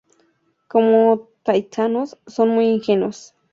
Como tahitianos, son muy ingenuos.